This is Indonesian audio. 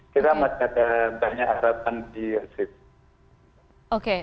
kita masih ada banyak harapan di situ